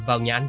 nói chung nghe